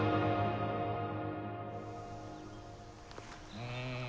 うん。